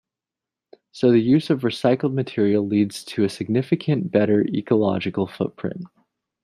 So the use of recycled material leads to a significant better ecological footprint.